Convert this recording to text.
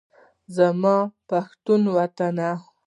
زما پښتون وطن